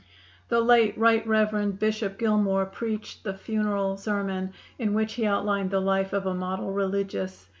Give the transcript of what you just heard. The late Rt. Rev. Bishop Gilmour preached the funeral sermon, in which he outlined the life of a model religious.